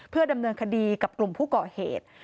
เพื่อดำเนินคดีกับกลุ่มผู้ก่อเหตุ